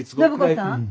暢子さん。